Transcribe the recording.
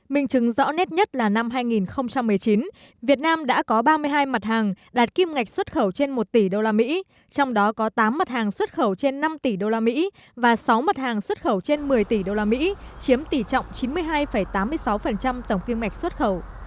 mình chứng rõ nét nhất là năm hai nghìn một mươi chín việt nam đã có ba mươi hai mặt hàng đạt kim ngạch xuất khẩu trên một tỷ usd trong đó có tám mặt hàng xuất khẩu trên năm tỷ usd và sáu mặt hàng xuất khẩu trên một mươi tỷ usd chiếm tỷ trọng chín mươi hai tám mươi sáu tổng kim ngạch xuất khẩu